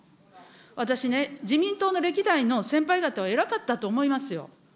私ね、自民党の歴代の先輩方は偉かったと思いますよ。